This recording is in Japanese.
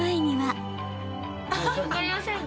分かりませんか？